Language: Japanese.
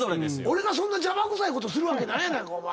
俺がそんな邪魔くさいことするわけないやないかお前。